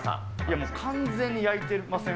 もう完全に焼いてません？